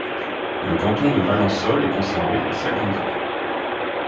Le canton de Valensole est conservé et s'agrandit.